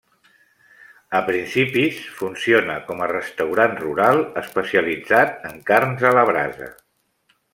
A principis del funciona com a restaurant rural, especialitzat en carns a la brasa.